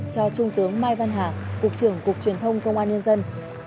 cho trung tướng mai văn hà cục trưởng cục truyền thông công an nhân dân